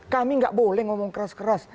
kami nggak boleh ngomong keras keras